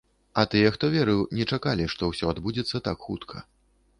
А тыя, хто верыў, не чакалі, што ўсё адбудзецца так хутка.